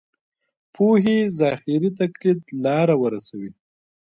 پوهې ظاهري تقلید لاره ورسوي.